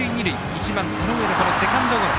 １番、田上のセカンドゴロ。